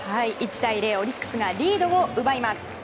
１対０とオリックスがリードを奪います。